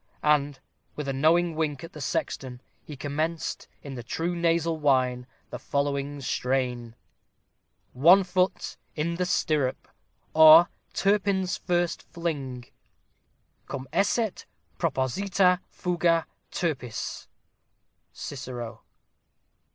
And, with a knowing wink at the sexton, he commenced, in the true nasal whine, the following strain: ONE FOOT IN THE STIRRUP OR TURPIN'S FIRST FLING Cum esset proposita fuga _Turpi_(n)_s_. CICERO.